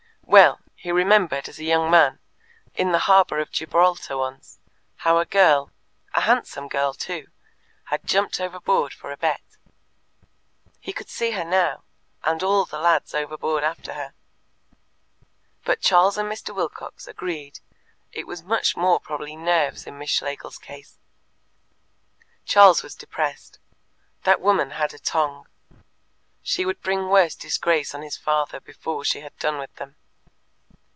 Well he remembered as a young man, in the harbour of Gibraltar once, how a girl a handsome girl, too had jumped overboard for a bet. He could see her now, and all the lads overboard after her. But Charles and Mr. Wilcox agreed it was much more probably nerves in Miss Schlegel's case. Charles was depressed. That woman had a tongue. She would bring worse disgrace on his father before she had done with them.